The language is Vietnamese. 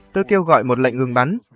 tôi kêu gọi một lệnh ngừng bắn